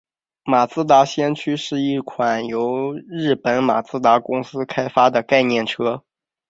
马自达先驱是一款由日本马自达公司开发的概念车。